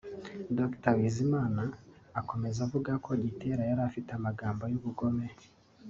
Dr Bizimana akomeza avuga ko Gitera yari afite amagambo y’ubugome